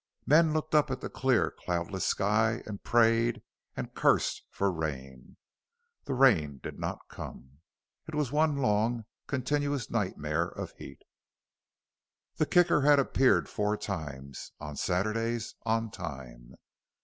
Men looked up at the clear, cloudless sky and prayed and cursed for rain. The rain did not come. It was one long, continuous nightmare of heat. The Kicker had appeared four times on Saturdays on time.